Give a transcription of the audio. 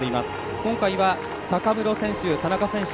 今回は高室選手、田中選手